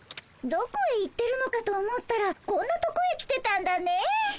どこへ行ってるのかと思ったらこんなとこへ来てたんだね。